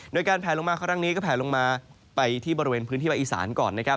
โดยการแผลลงมาข้างล่างนี้ก็แผลลงมาไปที่บริเวณพื้นที่ไปอีสานก่อน